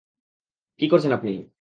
কি করছেন আপনি?